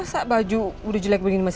saya juga gue cintain dateng semuanya